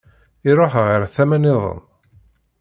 Iruḥ ɣer tama-nniḍen.